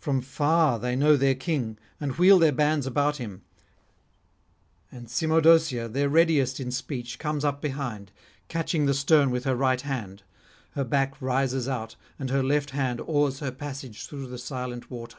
From far they know their king, and wheel their bands about him, and Cymodocea, their readiest in speech, comes up behind, catching the stern with her right hand: her back rises out, and her left hand oars her passage through the silent water.